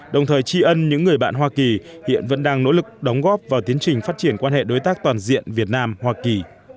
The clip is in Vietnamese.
đồng thời tri ân những người bạn hoa kỳ hiện vẫn đang nỗ lực đóng góp vào tiến trình phát triển quan hệ đối tác toàn diện việt nam hoa kỳ